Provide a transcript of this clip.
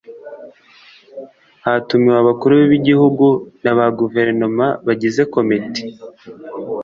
htumiwe abakuru b’ ibihugu naba guverinoma bagize komite .